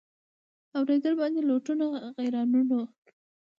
اورېدل باندي لوټونه غیرانونه